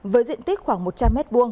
với diện tích khoảng một trăm linh m hai